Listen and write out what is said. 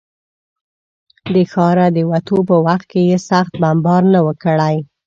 د ښاره د وتو په وخت کې یې سخت بمبار نه و کړی.